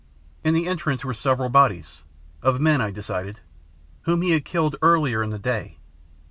In the entrance were several bodies of men, I decided, whom he had killed earlier in the day.